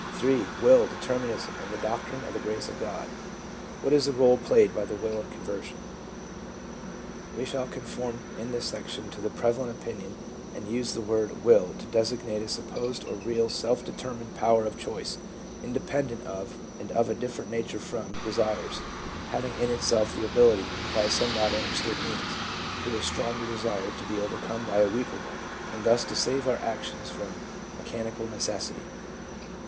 3. Will, Determinism and the Doctrine of the Grace of God. What is the role played by the will in conversion t We shall conform in this section to the prevalent opinion and use the word " Will " to designate a supposed or real self determined power of choice, independent of, and of a different nature from, desires ; haviDg in itself the ability, by some not understood means, to cause a stronger desire to be overcome by a weaker one, and thus to save our actions from mechanical necessity.